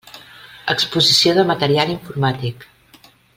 Exposició de material informàtic.